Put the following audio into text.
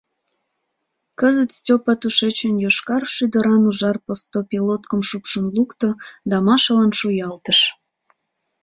Кызыт Степа тушечын йошкар шӱдыран ужар посто пилоткым шупшын лукто да Машалан шуялтыш.